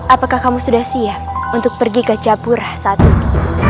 apakah kamu sudah siap untuk pergi ke capura saat ini